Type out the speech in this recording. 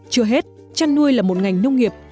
chưa hết chăn nuôi là một ngành nông nghiệp